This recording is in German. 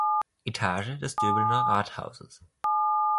Etage des Döbelner Rathauses.